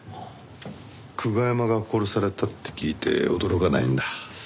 久我山が殺されたって聞いて驚かないんだ。